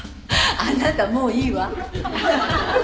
「あなたもういいわ」